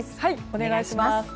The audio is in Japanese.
お願いします。